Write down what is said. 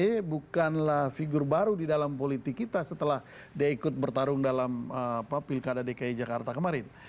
dia bukanlah figur baru di dalam politik kita setelah dia ikut bertarung dalam pilkada dki jakarta kemarin